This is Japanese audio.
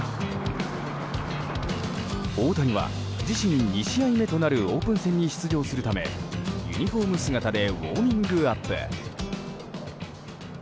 大谷は自身２試合目となるオープン戦に出場するためユニホーム姿でウォーミングアップ。